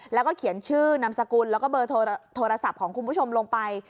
แล้วก็เขียนชื่อนามสกุลแล้วก็เบอร์โทรศัพท์ของคุณผู้ชมลงไป